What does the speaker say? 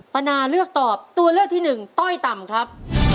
นาเลือกตอบตัวเลือกที่หนึ่งต้อยต่ำครับ